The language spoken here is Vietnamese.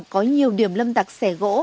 có nhiều điểm lâm tặc xẻ gỗ